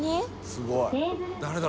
すごい。